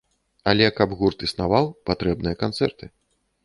Але каб гурт існаваў, патрэбныя канцэрты.